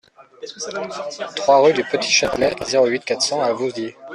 trois rue du Petit Châtelet, zéro huit, quatre cents à Vouziers